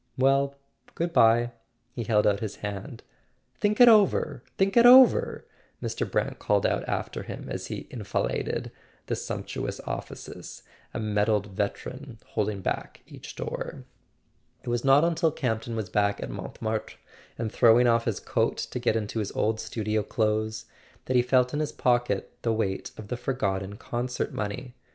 "Well, good bye." He held out his hand. "Think it over—think it over," Mr. Brant called out after him as he enfiladed the sumptuous offices, a medalled veteran holding back each door. It was not until Camp ton was back at Montmartre, and throwing off his coat to get into his old studio clothes, that he felt in his pocket the weight of the forgotten concert money.